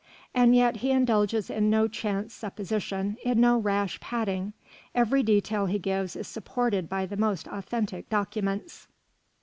And yet he indulges in no chance supposition, in no rash padding. Every detail he gives is supported by the most authentic documents.